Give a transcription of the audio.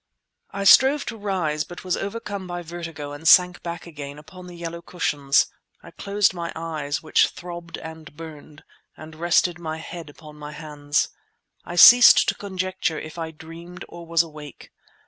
I strove to rise, but was overcome by vertigo and sank back again upon the yellow cushions. I closed my eyes, which throbbed and burned, and rested my head upon my hands. I ceased to conjecture if I dreamed or was awake.